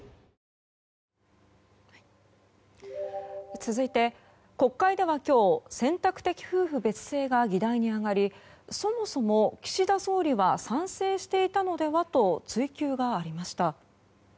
続いて、国会では今日、選択的夫婦別姓が議題に上がりそもそも岸田総理は賛成していたのではと追及がありました。